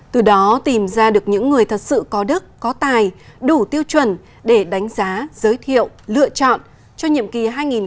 từ đó tìm ra được những người thật sự có đức có tài đủ tiêu chuẩn để đánh giá giới thiệu lựa chọn cho nhiệm kỳ hai nghìn hai mươi năm hai nghìn ba mươi